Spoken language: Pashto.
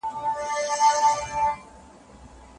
پرمختيايي هېوادونه د صنعت د پراخېدو لپاره پانګه لګوي.